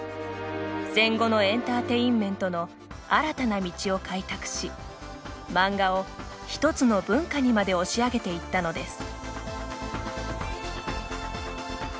戦後のエンターテインメントの新たな道を開拓し漫画を一つの文化にまで押し上げていったのです。